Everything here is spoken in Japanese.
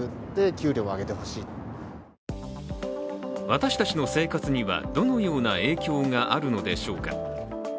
私たちの生活にはどのような影響があるのでしょうか。